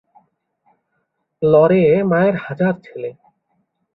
লড়ে মায়ের হাজার ছেলে